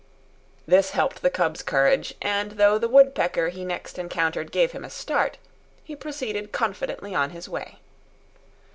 This helped the cub's courage, and though the woodpecker he next encountered gave him a start, he proceeded confidently on his way.